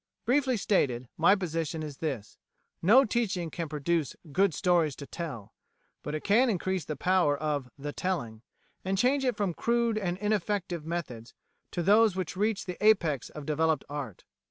Briefly stated, my position is this: no teaching can produce "good stories to tell," but it can increase the power of "the telling," and change it from crude and ineffective methods to those which reach the apex of developed art.